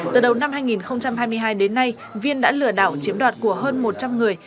từ đầu năm hai nghìn hai mươi hai đến nay viên đã lừa đảo chiếm đoạt của hơn một trăm linh người